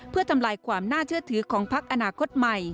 เพื่อทำลายความน่าเชื่อถือของพักอนาคตใหม่